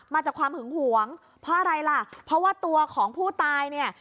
มาจากความหึงหวงเพราะอะไรล่ะเพราะว่าตัวของผู้ตายเนี่ย